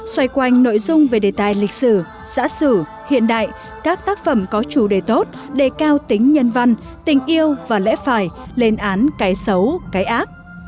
xoay quanh nội dung về đề tài lịch sử xã sử hiện đại các tác phẩm có chủ đề tốt đề cao tính nhân văn tình yêu và lẽ phải lên án cái xấu cái ác